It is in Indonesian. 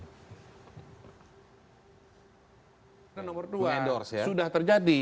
karena nomor dua sudah terjadi